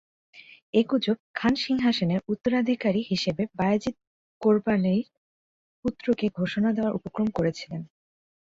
এ গুজর খান সিংহাসনের উত্তরাধিকারী হিসেবে বায়েজীদ কররানীর পুত্রকে ঘোষণা দেওয়ার উপক্রম করেছিলেন।